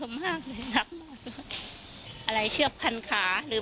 ก็ทำไมเขาก็บอกว่าช่วยผมเป็นคนหนึ่ง